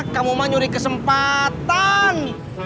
kamu mah nyuri kesempatan